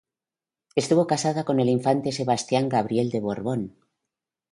Estuvo casada con el infante Sebastián Gabriel de Borbón.